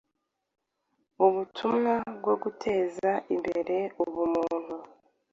ubutumwa bwo guteza imbere ubumuntu